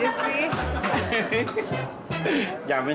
he he he jamnya bagus